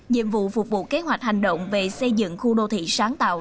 nhiệm vụ phục vụ kế hoạch hành động về xây dựng khu đô thị sáng tạo